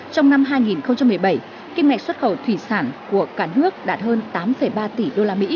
trong năm hai nghìn một mươi bảy kim ngạch xuất khẩu thủy sản của cả nước đạt hơn tám ba tỷ usd